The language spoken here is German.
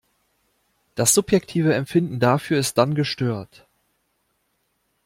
Das subjektive Empfinden dafür ist dann gestört.